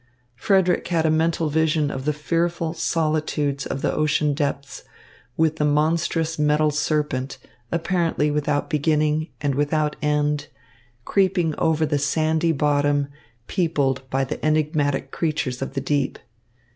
Frederick had a mental vision of the fearful solitudes of the ocean depths, with the monstrous metal serpent, apparently without beginning and without end, creeping over the sandy bottom peopled by the enigmatic creatures of the deep.